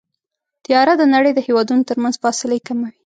طیاره د نړۍ د هېوادونو ترمنځ فاصلې کموي.